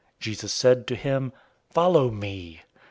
Jesus said to him, "Follow me."